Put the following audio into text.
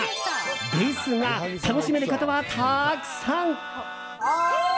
ですが楽しめることはたくさん！